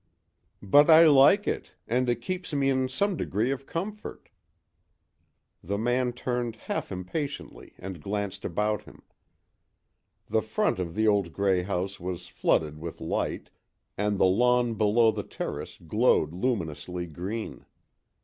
"But I like it, and it keeps me in some degree of comfort." The man turned half impatiently and glanced about him. The front of the old grey house was flooded with light, and the lawn below the terrace glowed luminously green.